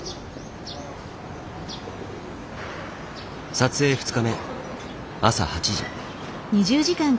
撮影２日目朝８時。